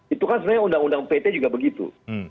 itu kan sebenarnya undang undang pt juga begitu